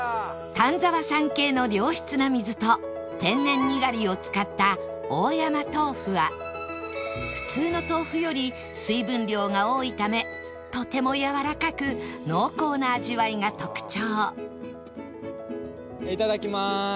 丹沢山系の良質な水と天然にがりを使った大山豆腐は普通の豆腐より水分量が多いためとてもやわらかく濃厚な味わいが特徴